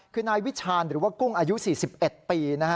คือนายวิชาณหรือว่ากุ้งอายุ๔๑ปี